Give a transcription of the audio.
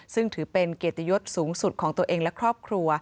ซึ่งถือเป็นเกียรติยศสูงสุดของตัวเองและครอบครัว